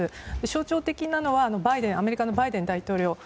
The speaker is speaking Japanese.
象徴的なのはアメリカのバイデン大統領。